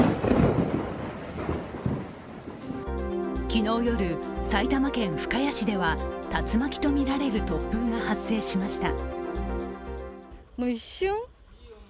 昨日夜、埼玉県深谷市では竜巻とみられる突風が発生しました。